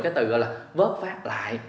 cái từ gọi là vớt phát lại